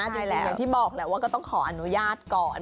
อย่างที่บอกแหละว่าก็ต้องขออนุญาตก่อน